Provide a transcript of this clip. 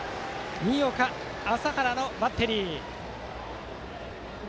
新岡、麻原のバッテリーです。